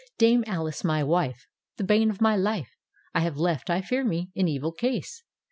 Dame Alice, my wife. The bane of my life, 1 have left, I fear me, in evil case!